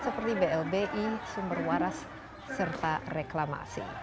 seperti blbi sumber waras serta reklamasi